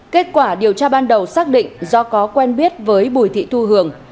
kết quả điều tra ban đầu xác định do có quen biết với bùi thị thu hường